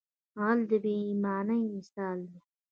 غل د بې ایمانۍ مثال دی